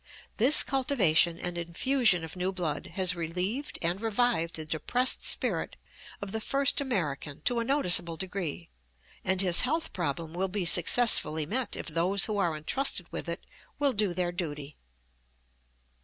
This cultivation and infusion of new blood has relieved and revived the depressed spirit of the first American to a noticeable degree, and his health problem will be successfully met if those who are entrusted with it will do their duty.